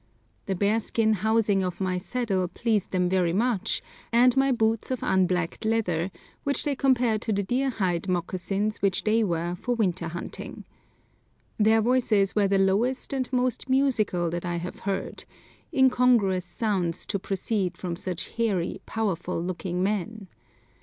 The bear skin housing of my saddle pleased them very much, and my boots of unblacked leather, which they compare to the deer hide moccasins which they wear for winter hunting. Their voices were the lowest and most musical that I have heard, incongruous sounds to proceed from such hairy, powerful looking men.